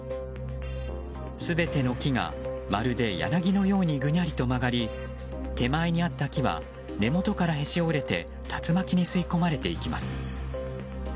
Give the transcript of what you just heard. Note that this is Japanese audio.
全ての木がまるでヤナギのようにぐにゃりと曲がり手前にあった木は根元からへし折れて竜巻に吸い込まれていきます。